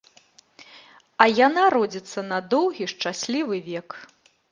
А яна родзіцца на доўгі шчаслівы век.